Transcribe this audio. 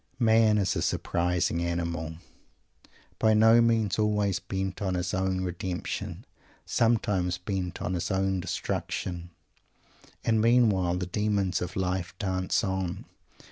Man is a surprising animal; by no means always bent on his own redemption; sometimes bent on his own destruction! And meanwhile the demons of life dance on.